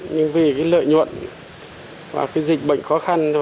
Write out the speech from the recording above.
nhưng vì lợi nhuận và dịch bệnh khó khăn